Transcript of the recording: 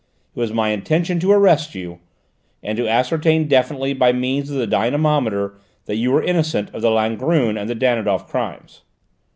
It was my intention to arrest you, and to ascertain definitely by means of the dynamometer that you were innocent of the Langrune and the Danidoff crimes."